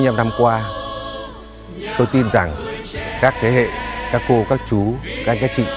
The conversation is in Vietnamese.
bốn mươi năm năm qua tôi tin rằng các thế hệ các cô các chú các anh các chị